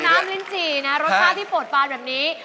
ลิ้นจี่นะรสชาติที่โปรดฟานแบบนี้